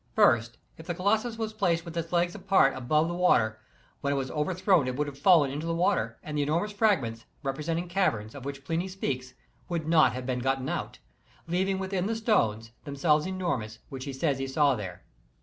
First, If the Colossus was placed with its legs apart above the water, when it was overthrown it would have fallen into the water, and the enormous fragments, resembling caverns, of which Pliny speaks, would not have been gotten out, leaving within the stones, themselves enormous, which he says he saw there.